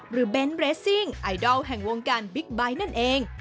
เบนท์เรสซิ่งไอดอลแห่งวงการบิ๊กไบท์นั่นเอง